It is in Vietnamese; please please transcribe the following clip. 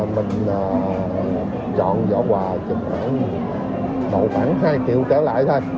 mình chọn giỏ quà chụp khoảng hai triệu trở lại thôi